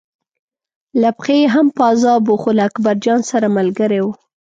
له پښې یې هم پازاب و خو له اکبرجان سره ملګری و.